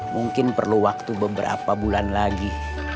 mungkin perlu waktu beberapa bulan lagi